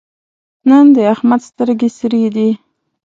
نن د احمد سترګې سرې دي.